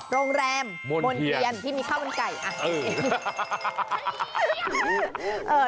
โรงแรมมนเทียนที่มีข้าวมันไก่